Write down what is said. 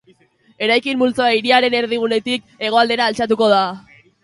Eraikin multzoa hiriaren erdigunetik hegoaldera altxatuko da.